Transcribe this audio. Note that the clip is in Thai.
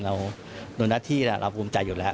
คนอาทิตรน่ะเราภูมิใจอยู่แล้ว